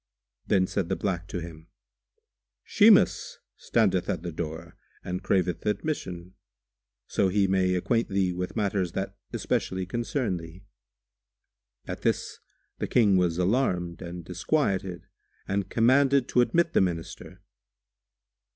Then said the black to him, "Shimas standeth at the door and craveth admission, so he may acquaint thee with matters that specially concern thee." At this the King was alarmed and disquieted and commanded to admit the Minister.